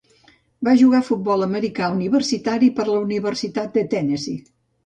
Va jugar a futbol americà universitari per a la Universitat de Tennessee.